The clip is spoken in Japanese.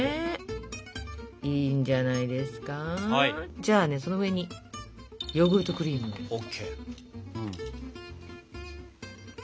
じゃあねその上にヨーグルトクリーム。ＯＫ！